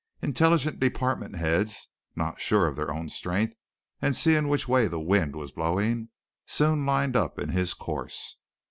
Intelligent department heads, not sure of their own strength and seeing which way the wind was blowing, soon lined up in his course.